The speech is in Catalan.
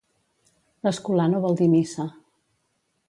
L'escolà no vol dir missa.